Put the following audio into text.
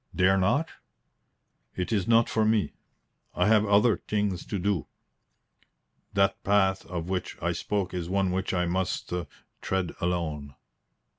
"Dare not?" "It is not for me. I have other things to do. That path of which I spoke is one which I must tread alone."